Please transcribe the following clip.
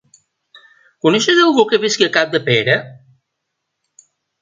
Coneixes algú que visqui a Capdepera?